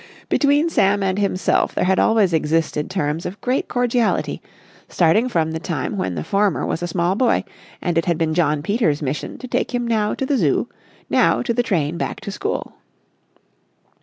Between Sam and himself there had always existed terms of great cordiality, starting from the time when the former was a small boy and it had been John Peters' mission to take him now to the Zoo, now to the train back to school.